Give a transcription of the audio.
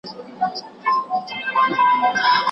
نوم یې پروت پر څلورکونجه نومیالی پکښی پیدا کړي